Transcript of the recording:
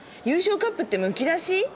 優勝カップってむき出し？